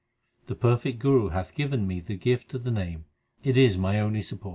The perfect Guru hath given me the gift of the Name ; it is my only support.